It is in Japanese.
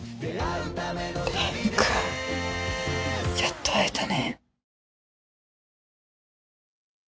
蓮くんやっと会えたね。